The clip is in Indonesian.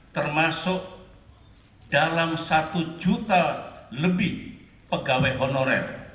termasuk dalam satu juta lebih pegawai honorer